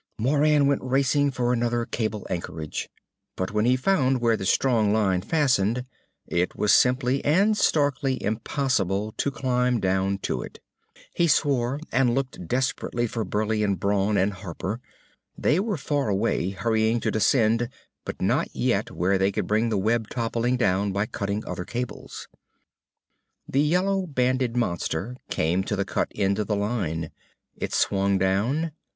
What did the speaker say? Moran went racing for another cable anchorage. But when he found where the strong line fastened, it was simply and starkly impossible to climb down to it. He swore and looked desperately for Burleigh and Brawn and Harper. They were far away, hurrying to descend but not yet where they could bring the web toppling down by cutting other cables. The yellow banded monster came to the cut end of the line. It swung down.